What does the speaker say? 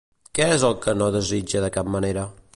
Què és el que no desitja de cap manera?